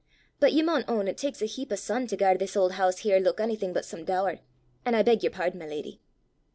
but ye maun own it taks a heap o' sun to gar this auld hoose here luik onything but some dour an' I beg yer pardon, my leddy!"